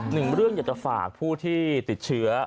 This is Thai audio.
หนึ่งเรื่องอยากจะฝากผู้ที่ติดเชื้อ